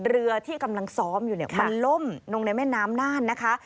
เรือที่กำลังซ้อมอยู่มันล่มโรงแรมแม่น้ำน่านนะคะครับ